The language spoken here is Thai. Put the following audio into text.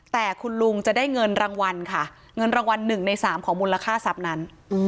แต่คุณลุงจะได้เงินรางวัลค่ะเงินรางวัล๑ใน๓ของมูลค่าทรัพย์นั้น